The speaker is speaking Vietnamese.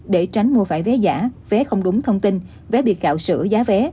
để tránh mua phải vé giả vé không đúng thông tin vé bị cạo sửa giá vé